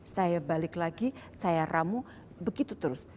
saya balik lagi saya ramu begitu terus